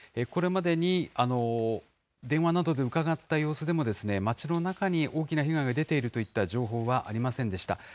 これまでに電話などで伺った様子でも、町の中に大きな被害が出ているといった情報はありませんでした。